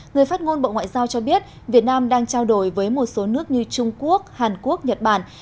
người phát ngôn bộ ngoại giao cho biết việt nam đang trao đổi với một số nước như trung quốc hàn quốc nhật bản